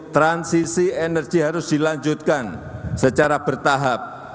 transisi energi harus dilanjutkan secara bertahap